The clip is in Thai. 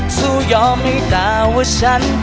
สู้ยอมให้ตาว่าฉัน